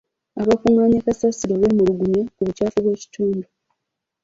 Abakungaanya kasasiro beemulugunya ku bukyafu bw'ekitundu.